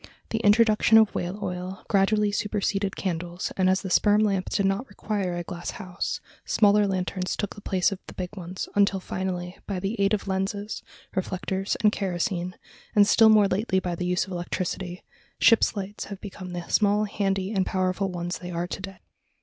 The introduction of whale oil gradually superseded candles and as the sperm lamp did not require a glass house, smaller lanterns took the place of the big ones, until finally, by aid of lenses, reflectors, and kerosene, and still more lately by the use of electricity, ship's lights have become the small, handy, and powerful ones they are to day.